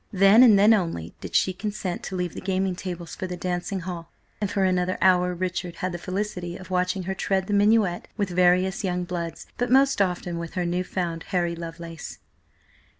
Then, and then only, did she consent to leave the gaming tables for the dancing hall, and for another hour Richard had the felicity of watching her tread the minuet with various young bloods, but most often with her new found Harry Lovelace.